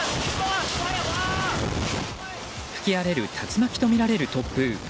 吹き荒れる竜巻とみられる突風。